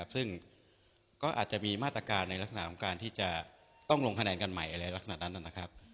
ซึ่งก็อาจจะมีมาตรการในลักษณะของการที่จะต้องลงคะแนนกันใหม่อะไรลักษณะนั้นนะครับ